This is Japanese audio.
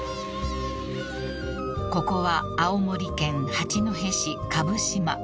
［ここは青森県八戸市蕪島］